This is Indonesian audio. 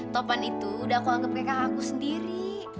topan itu udah aku anggap kayak kakakku sendiri